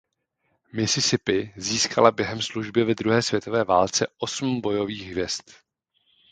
Mississippi získala během služby ve druhé světové válce osm bojových hvězd.